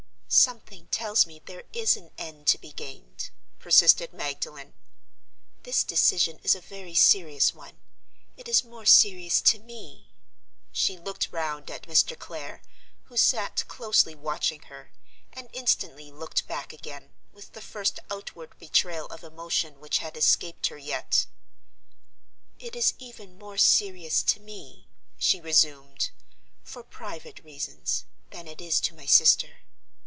"Something tells me there is an end to be gained," persisted Magdalen. "This decision is a very serious one. It is more serious to me—" She looked round at Mr. Clare, who sat closely watching her, and instantly looked back again, with the first outward betrayal of emotion which had escaped her yet. "It is even more serious to me," she resumed, "for private reasons—than it is to my sister.